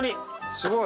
すごい！